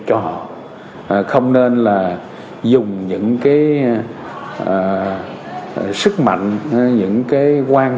những quan trọng những quan trọng những quan trọng những quan trọng những quan trọng những quan trọng những quan trọng những quan trọng những quan trọng